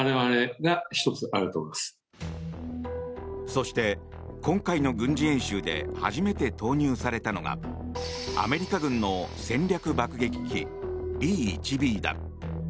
そして今回の軍事演習で初めて投入されたのがアメリカ軍の戦略爆撃機Ｂ１Ｂだ。